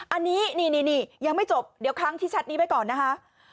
อันนี้นี่ยังไม่จบเดี๋ยวครั้งที่แชทนี้ไว้ก่อนนะคะ